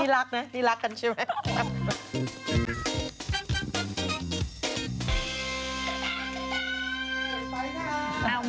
ดีลักเนอะดีลักกันใช่ไหม